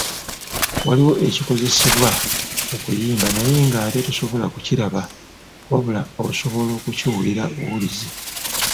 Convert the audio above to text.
Waliwo ekikozesebwa mu kuyimba naye ng’ate tosobola kukiraba, wabula osobola kukiwulira buwulizi.